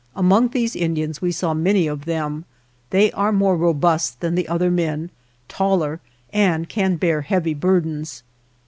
Among these In dians we saw many of them ; they are more robust than the other men, taller, and can bear heavy burthens.